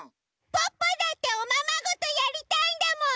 ポッポだっておままごとやりたいんだもん！